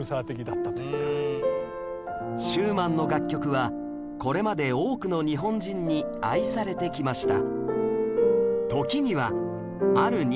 シューマンの楽曲はこれまで多くの日本人に愛されてきました